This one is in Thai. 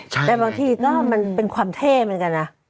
แต่บางทีก็มันเป็นความเท่เหมือนกันนะ